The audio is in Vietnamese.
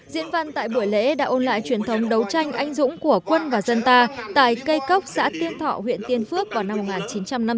diễn văn tại buổi lễ đã ôn lại truyền thống đấu tranh anh dũng của quân và dân ta tại cây cốc xã tiên thọ huyện tiên phước vào năm một nghìn chín trăm năm mươi bốn